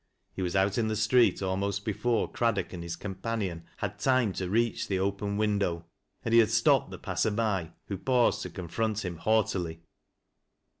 He was out in the street almost before Craddock and his companion had time to reach the open window, and he had stopped the passer by, who paused to confront him haughtily.